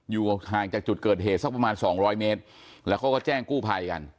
อยู่ห่างจากจุดเกิดเหตุสักประมาณสองร้อยเมตรแล้วเขาก็แจ้งกู้ภัยกัน